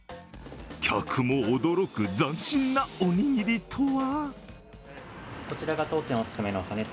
客も驚く斬新なおにぎりとは？